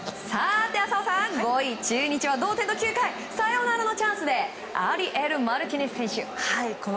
浅尾さん５位、中日は同点の９回サヨナラのチャンスでアリエル・マルティネス選手。